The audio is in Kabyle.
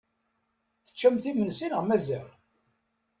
Teččamt imensi neɣ mazal?